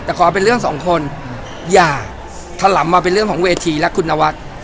แต่ขอเป็นเรื่องสองคนอย่าถลำมาเป็นเรื่องของเวทีและคุณนวัฒน์